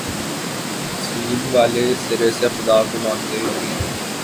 چین والے سرے سے خدا کو مانتے ہی نہیں۔